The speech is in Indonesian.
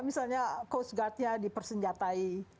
misalnya coast guard nya dipersenjatai